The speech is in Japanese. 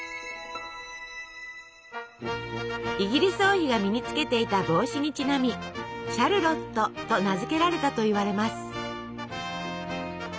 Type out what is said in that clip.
イギリス王妃が身につけていた帽子にちなみ「シャルロット」と名付けられたといわれます。